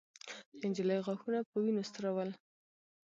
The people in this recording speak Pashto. د نجلۍ غاښونه په وينو سره ول.